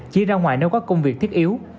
chỉ ra ngoài nếu có công việc thiết yếu